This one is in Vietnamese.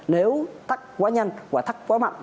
nếu tắt quá nhanh và tắt quá mạnh